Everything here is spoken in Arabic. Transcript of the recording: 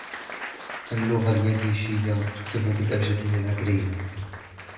اللغة اليديشية تُكتَب بالأبجديّة العبريّة.